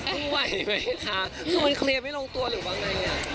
รู้ไว้ไหมคะคือมันเคลียร์ไม่ลงตัวหรืออะไรอย่างนี้